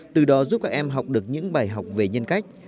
từ đó giúp các em học được những bài học về nhân cách